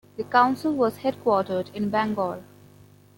The Council was headquartered in Bangor.